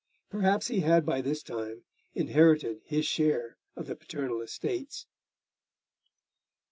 Perhaps he had by this time inherited his share of the paternal estates.